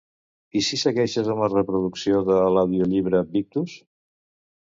I si segueixes amb la reproducció de l'audiollibre "Victus"?